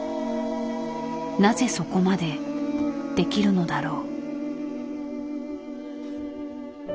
なぜそこまでできるのだろう。